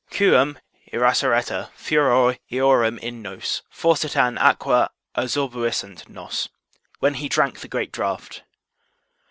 Quum irasceretur furor eorum in nos, forsitan aqua absorbuisset nos; when he drank the great draught.